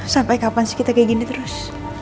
sampai kapan sih kita kayak gini terus